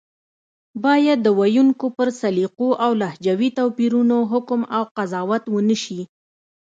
بايد د ویونکو پر سلیقو او لهجوي توپیرونو حکم او قضاوت ونشي